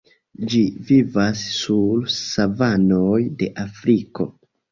Ĝi vivas sur savanoj de Afriko.